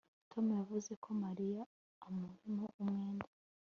tom yavuze ko mariya amurimo umwenda